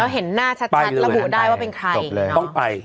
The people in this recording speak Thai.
เห็นหน้าชัดระบุได้ว่าเป็นใครต้องไป